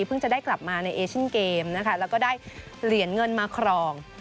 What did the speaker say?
จะได้กลับมาในเอเชียนเกมนะคะแล้วก็ได้เหรียญเงินมาครอง